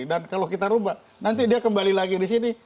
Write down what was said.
dan kalau kita rubah nanti dia kembali lagi di sini